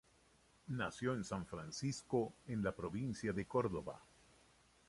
Nació en San Francisco en la provincia de Córdoba.